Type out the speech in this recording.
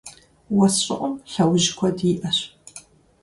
Уэс щӀыӀум лъэужь куэд иӀэщ.